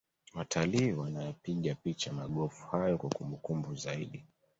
watalii wanayapiga picha magofu hayo kwa kumbukumbu zaidi